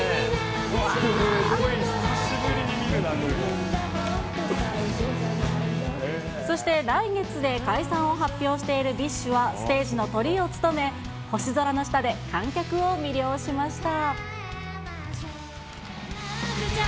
すごい、久しぶりに見るな、そして、来月で解散を発表しているＢｉＳＨは、ステージのトリを務め、星空の下で観客を魅了しました。